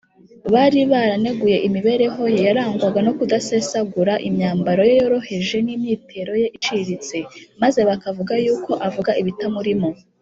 bari baraneguye imibereho ye yarangwaga no kudasesagura, imyambaro ye yoroheje n’imyitero ye iciriritse, maze bakavuga yuko avuga ibitamurimo